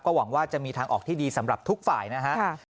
หวังว่าจะมีทางออกที่ดีสำหรับทุกฝ่ายนะฮะ